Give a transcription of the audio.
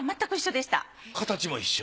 形も一緒？